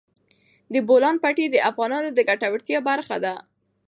د بولان پټي د افغانانو د ګټورتیا برخه ده.